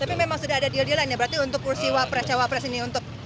tapi memang sudah ada dia dialah berarti untuk kursi cawapres ini untuk